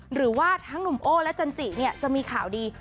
หรือว่าทั้งหนุ่มโอ้และจันจิเนี่ยจะมีข่าวดี